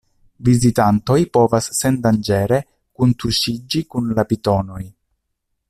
Vizitantoj povas sendanĝere kuntuŝiĝi kun la pitonoj.